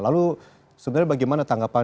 lalu sebenarnya bagaimana tanggapan